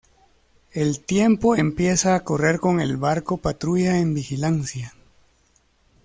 El tiempo empieza a correr con el barco-patrulla en vigilancia.